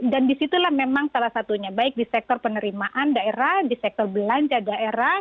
disitulah memang salah satunya baik di sektor penerimaan daerah di sektor belanja daerah